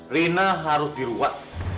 rina harus diruak